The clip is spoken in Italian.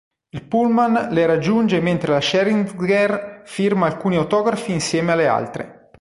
Il pullman le raggiunge mentre la Scherzinger firma alcuni autografi insieme alle altre.